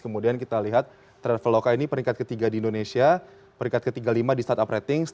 kemudian kita lihat traveloka ini peringkat ketiga di indonesia peringkat ke tiga puluh lima di startup ratings